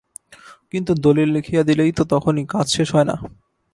কিন্তু দলিল লিখিয়া দিলেই তো তখনই কাজ শেষ হয় না।